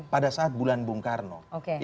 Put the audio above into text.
pada saat bulan bung karno